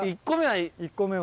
１個目は。